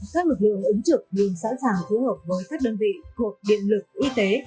các lực lượng ứng trực đều sẵn sàng phù hợp với các đơn vị thuộc điện lực y tế